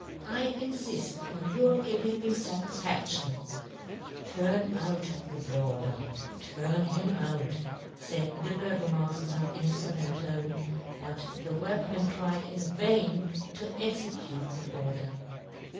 " I infift on your giving me fatisfac " tion !"" Turn out the brawler, turn him " out," faid the Burgomafter, in a folemn tone ; but the workmen tried in vain to execute the order.